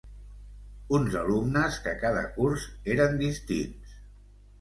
Uns alumnes que cada curs eren distints.